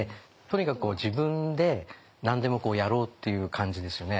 とにかく自分で何でもやろうっていう感じですよね。